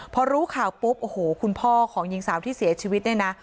พอรู้ข่าวปุ๊บโอ้โหคุณพ่อของหญิงสาวที่เสียชีวิตเนี่ยนะ